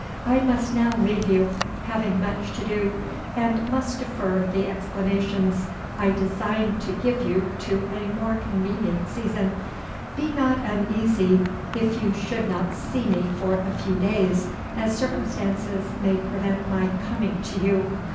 I must now leave you, having much to do, and must defer the explanations I design to give you to a more convenient season. Be not uneasy if you should not see me for a few days, as circumstances may prevent my coming to you.